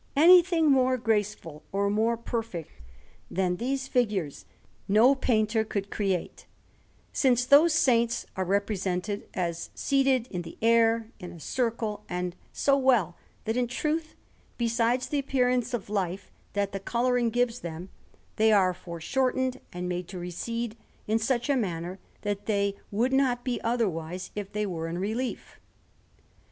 Anything more graceful or more perfect than these figures no painter could create, since those saints are represented as seated in the air, in a circle, and so well, that in truth, besides the appearance of life that the colouring gives them, they are foreshortened and made to recede in such a manner, that they would not be otherwise if they were in relief.